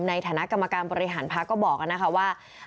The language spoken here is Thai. ในฐานะกรรมการบริหารพักก็บอกนะคะว่า